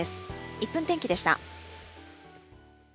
１分天気でした。